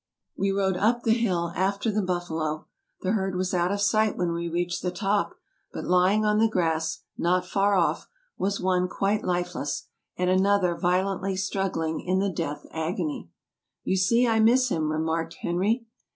We rode up the hill after the buffalo. The herd was out of sight when we reached the top, but lying on the grass, not far off, was one quite lifeless, and another violently struggling in the death agony. "You see, I miss him! " remarked Henry.